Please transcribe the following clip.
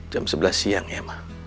jam sebelas siang ya ma